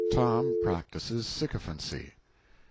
Tom Practises Sycophancy.